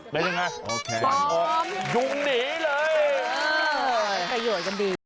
ได้ยังไงสั่งออกยุ่งหนีเลยโอเคปล่อยกันดี